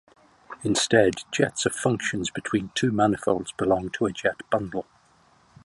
Instead, jets of functions between two manifolds belong to a jet bundle.